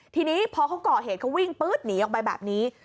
ทีนี้พอเขาก่อเหตุเขาวิ่งปื๊ดหนีออกไปแบบนี้